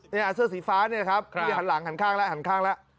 เสื้อสีฟ้าเนี่ยครับนี่หันหลังหันข้างแล้วหันข้างแล้ว